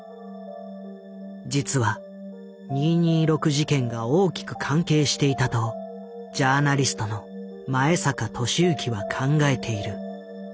実は二・二六事件が大きく関係していたとジャーナリストの前坂俊之は考えている。